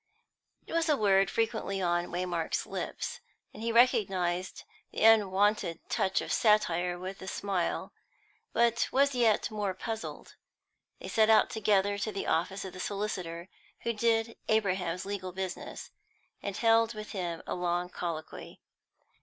It was a word frequently on Waymark's lips, and he recognised the unwonted touch of satire with a smile, but was yet more puzzled. They set out together to the office of the solicitor who did Abraham's legal business, and held with him a long colloquy.